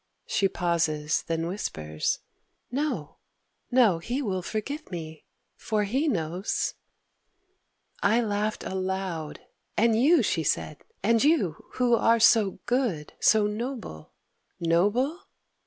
She pauses: then whispers: "No, no, He will forgive me, for He knows!" I laughed aloud: "And you," she said, "and you, Who are so good, so noble" ... "Noble?